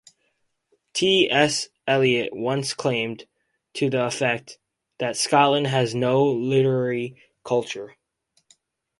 T. S. Eliot once claimed, to the effect, that Scotland has no literary culture.